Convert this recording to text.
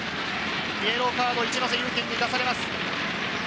イエローカードが市瀬に出されます。